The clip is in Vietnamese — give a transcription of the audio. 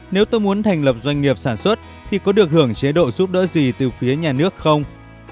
nếu tôi muốn thành lập doanh nghiệp sản xuất thì có được hưởng chế độ giúp đỡ gì từ phía nhà nước không